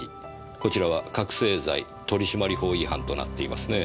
こちらは覚せい剤取締法違反となっていますね。